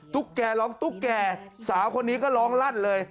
ทุกแกร้องทุกแกสาวคนนี้ก็ร้องรัดเลย